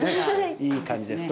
いい感じです。